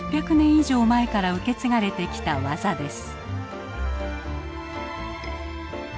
以上前から受け継がれてきた技です。